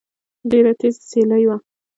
ډېره تېزه سيلۍ وه